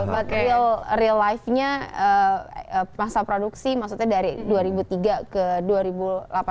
but real life nya masa produksi maksudnya dari dua ribu tiga ke dua ribu delapan belas empat belas masuk ke lima belas tahun